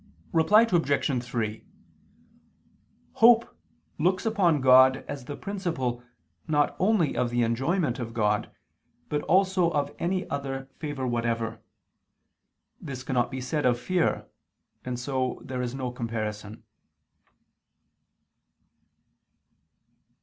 Reply Obj. 3: Hope looks upon God as the principle not only of the enjoyment of God, but also of any other favor whatever. This cannot be said of fear; and so there is no comparison.